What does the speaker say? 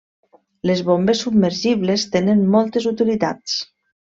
Les bombes submergibles tenen moltes utilitats.